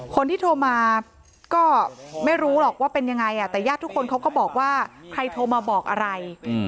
คนที่โทรมาก็ไม่รู้หรอกว่าเป็นยังไงแต่ญาติทุกคนเขาก็บอกว่าใครโทรมาบอกอะไร